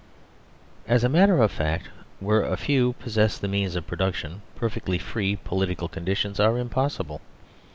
As a matter of fact, where a few possess the means of production perfectly free political conditions are impossible.